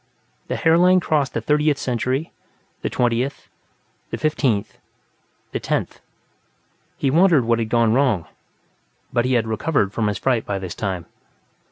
The hairline crossed the Thirtieth Century, the Twentieth, the Fifteenth, the Tenth. He wondered what had gone wrong, but he had recovered from his fright by this time.